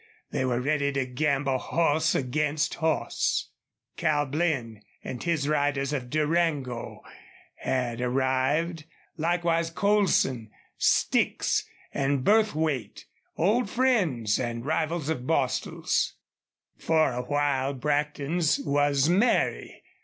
They were ready to gamble horse against horse. Cal Blinn and his riders of Durango had arrived; likewise Colson, Sticks, and Burthwait, old friends and rivals of Bostil's. For a while Brackton's was merry.